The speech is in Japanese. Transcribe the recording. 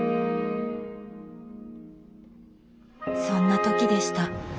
そんな時でした。